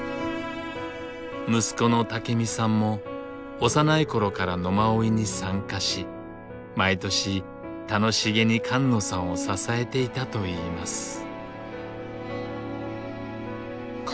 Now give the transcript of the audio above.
息子の武身さんも幼い頃から野馬追に参加し毎年楽しげに菅野さんを支えていたといいます。